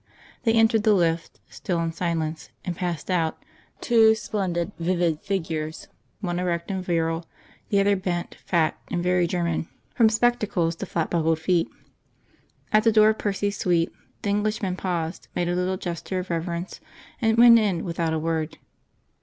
They entered the lift, still in silence, and passed out, two splendid vivid figures, one erect and virile, the other bent, fat, and very German from spectacles to flat buckled feet. At the door of Percy's suite, the Englishman paused, made a little gesture of reverence, and went in without a word.